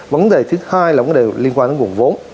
vấn đề thứ hai là vấn đề liên quan đến nguồn vốn